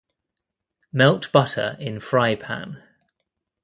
Melt butter in fry pan